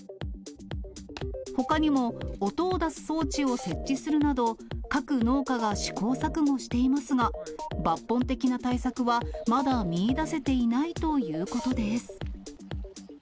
ほかにも音を出す装置を設置するなど、各農家が試行錯誤していますが、抜本的な対策はまだ見いだせていないということです。